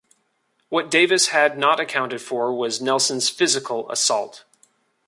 What Davis had not accounted for was Nelson's physical assault.